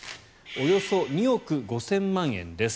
およそ２億５０００万円です。